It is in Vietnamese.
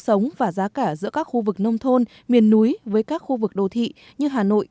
sống và giá cả giữa các khu vực nông thôn miền núi với các khu vực đô thị như hà nội